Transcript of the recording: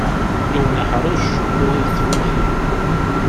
Yiwen iḥṛec, wayeḍ yuki.